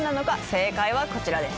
正解はこちらです。